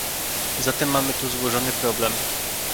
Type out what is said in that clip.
Zatem mamy tu złożony problem